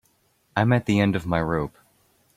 I'm at the end of my rope.